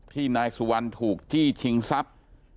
นายสุวรรณถูกจี้ชิงทรัพย์